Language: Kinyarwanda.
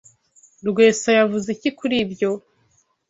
Rwesa yavuze iki kuri ibyo?